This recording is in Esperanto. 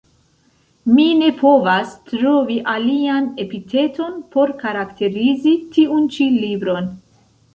Mi ne povas trovi alian epiteton por karakterizi tiun ĉi libron.